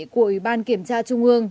của ủy ban kiểm tra trung ương